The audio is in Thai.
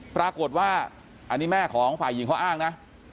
ปรากฏว่าอันนี้แม่ของฝ่ายหญิงเขาอ้างนะ